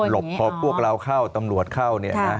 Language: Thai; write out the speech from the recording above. บพอพวกเราเข้าตำรวจเข้า